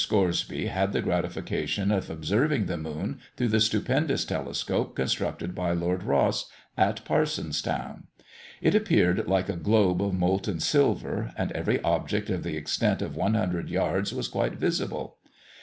Scoresby had the gratification of observing the moon through the stupendous telescope constructed by Lord Rosse, at Parsonstown. It appeared like a globe of molten silver, and every object of the extent of one hundred yards was quite visible.